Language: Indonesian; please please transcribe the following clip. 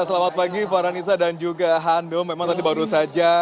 ya selamat pagi pak rani dan juga hando memang tadi baru saja